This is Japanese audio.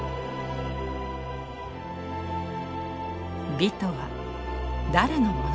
美とは誰のものなのか。